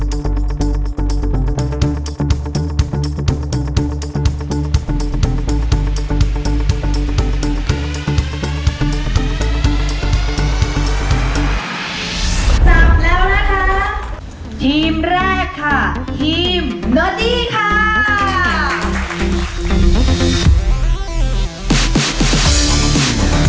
ไปพร้อมกับชายลักษณ์ได้เลยค่ะ